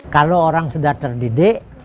kalau orang sudah terdidik